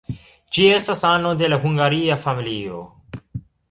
Ĝi estas ano de la hungaria familio.